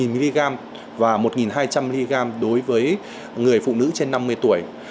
một nghìn mg và một nghìn hai trăm linh mg đối với người phụ nữ trên năm mươi tuổi